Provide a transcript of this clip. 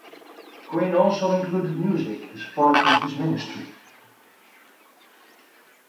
Quinn also included music as part of his ministry.